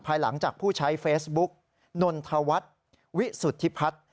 หลังจากผู้ใช้เฟซบุ๊กนนทวัฒน์วิสุทธิพัฒน์